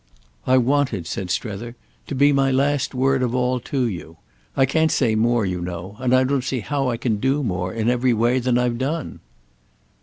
"I want it," said Strether, "to be my last word of all to you. I can't say more, you know; and I don't see how I can do more, in every way, than I've done."